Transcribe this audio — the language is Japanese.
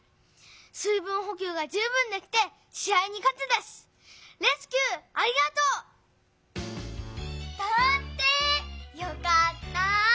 水分ほきゅうが十分できてし合にかてたしレスキューありがとう！だって！よかった！